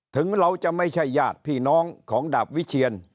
ถึงเราจะไม่ใช่ญาติพี่น้องของดาบวิเชียน